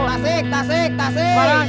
tasik tasik tasik